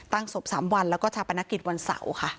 ศพ๓วันแล้วก็ชาปนกิจวันเสาร์ค่ะ